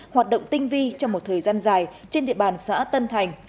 hoạt động tinh vi trong một thời gian dài trên địa bàn xã tân thành